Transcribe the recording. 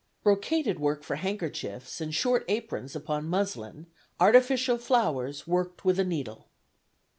Brocaded work for Handkerchiefs and short Aprons upon Muslin; artificial Flowers work'd with a needle."